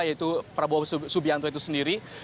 yaitu prabowo subianto itu sendiri